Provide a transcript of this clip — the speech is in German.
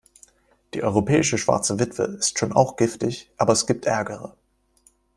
Die Europäische Schwarze Witwe ist schon auch giftig, aber es gibt ärgere.